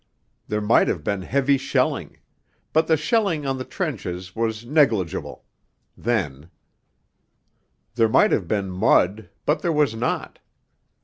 There might have been heavy shelling; but the shelling on the trenches was negligible then; there might have been mud, but there was not.